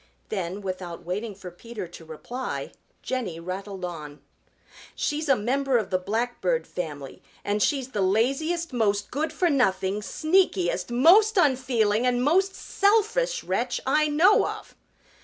Then without waiting for Peter to reply, Jenny rattled on. "She's a member of the Blackbird family and she's the laziest, most good for nothing, sneakiest, most unfeeling and most selfish wretch I know of!"